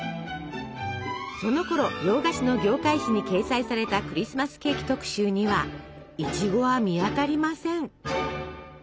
そのころ洋菓子の業界誌に掲載されたクリスマスケーキ特集にはいちごは見当たりません。